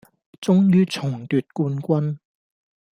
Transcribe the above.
終於重奪冠軍